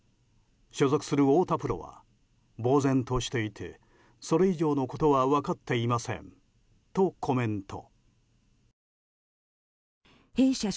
所属する太田プロは呆然としていてそれ以上のことは分かっていませんとコメント。